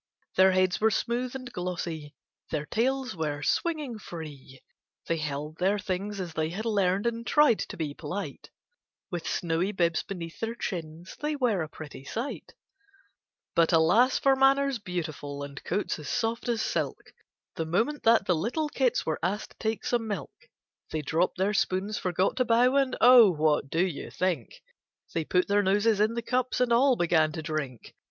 Their heads were smooth and glossy, their tails were swinging free ; A BOOK OF TALES 77 They held their things as they had learned, and tried to be polite ; With snowy bibs beneath their chins they were a pretty sight. But, alas for manners beautiful, and coats as soft as silk! The moment that the little kits were asked to take some milk. They dropped their spoons, forgot to bow, and — oh, what do you think ? They put their noses in the cups and all began to drink!